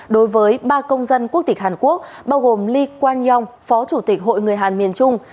đối với ba công dân quốc tịch hàn quốc bao gồm li quang yong phó chủ tịch hội người hàn miền trung